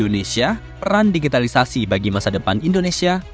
peran digitalisasi bagi masa depan indonesia